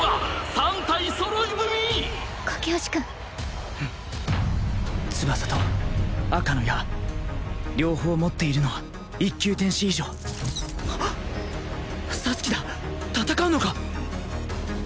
３体揃い踏み架橋君うん翼と赤の矢両方持っているのは１級天使以上刺す気だ戦うのか？